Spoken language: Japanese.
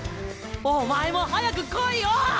お前も早く来いよ！